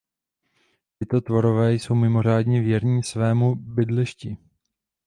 Tito tvorové jsou mimořádně věrní svému bydlišti.